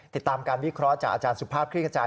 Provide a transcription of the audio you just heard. ติดตามการวิเคราะห์จากอาจารย์สุภาพคลิกกระจาย